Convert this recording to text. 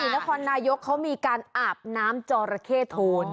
นครนายกเขามีการอาบน้ำจอระเข้โทน